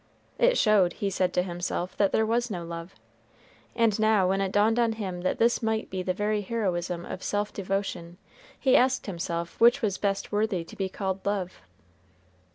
It showed, he said to himself, that there was no love; and now when it dawned on him that this might be the very heroism of self devotion, he asked himself which was best worthy to be called love.